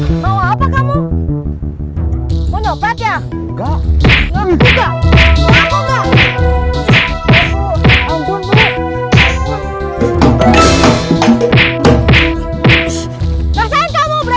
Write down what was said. ini adalah film yang diperoleh oleh